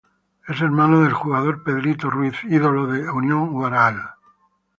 Es hermano del jugador "Pedrito" Ruiz ídolo de Unión Huaral.